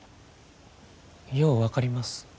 よう分かります。